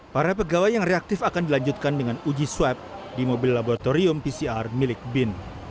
para pegawai yang reaktif akan dilanjutkan dengan uji swab di mobil laboratorium pcr milik bin